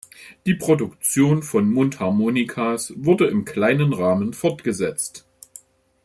Die Produktion von Mundharmonikas wurde im kleinen Rahmen fortgesetzt.